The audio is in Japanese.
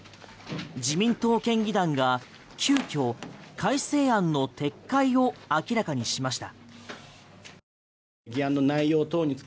自民党県議団が急きょ改正案の撤回を明らかにしました。